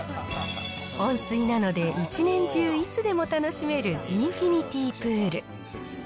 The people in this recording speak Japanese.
温水なので一年中いつでも楽しめる、インフィニティプール。